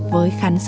với khán giả